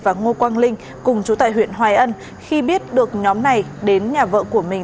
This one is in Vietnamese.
và ngô quang linh cùng chú tại huyện hoài ân khi biết được nhóm này đến nhà vợ của mình